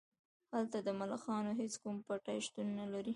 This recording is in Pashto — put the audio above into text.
هلته د ملخانو هیڅ کوم پټی شتون نلري